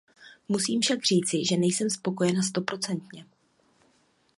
Musím však říci, že nejsem spokojena stoprocentně.